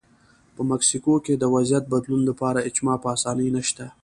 په مکسیکو کې د وضعیت بدلون لپاره اجماع په اسانۍ نشته.